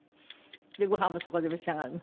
ごはんもそこで召し上がるの？